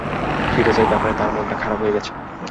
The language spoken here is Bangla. ফিরোজের ব্যাপারে তাঁর মনটা খারাপ হয়ে গেছে।